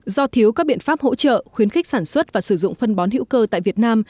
do thiếu các biện pháp hỗ trợ khuyến khích sản xuất và sử dụng phân bón hữu cơ tại việt nam